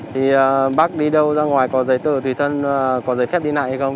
thì bác đi đâu ra ngoài có giấy tờ tùy thân có giấy phép đi lại hay không